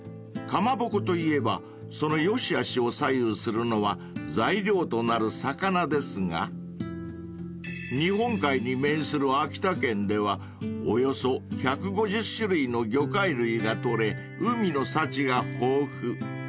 ［かまぼこといえばその良しあしを左右するのは材料となる魚ですが日本海に面する秋田県ではおよそ１５０種類の魚介類が取れ海の幸が豊富］